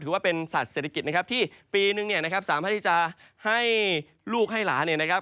ว่าเป็นสัตว์เศรษฐกิจนะครับที่ปีนึงเนี่ยนะครับสามารถที่จะให้ลูกให้หลานเนี่ยนะครับ